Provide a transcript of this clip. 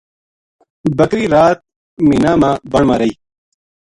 بکری رات مینہ ما بن ما رہی